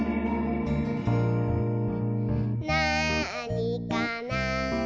「なあにかな？」